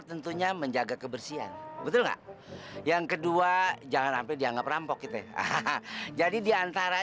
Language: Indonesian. tentunya menjaga kebersihan yang kedua jangan sampai dianggap rampok kita hahaha jadi diantara